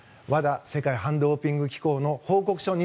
ＷＡＤＡ・世界反ドーピング機構の報告書